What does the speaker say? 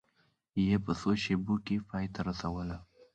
یې په څو شېبو کې پای ته رسوله.